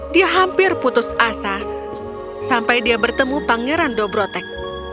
dia hampir putus asa sampai dia bertemu pangeran dobrotek